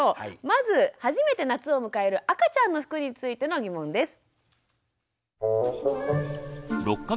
まず初めて夏を迎える赤ちゃんの服についての疑問です。